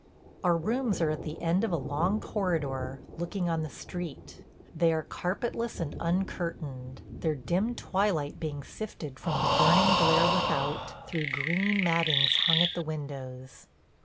Our rooms are at the end of a long corridor, looking on the street. They are carpetless and uncurtained, their dim twilight being sifted from the burning glare without through green mattings hung at the windows.